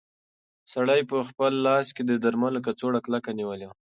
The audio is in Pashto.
سړي په خپل لاس کې د درملو کڅوړه کلکه نیولې وه.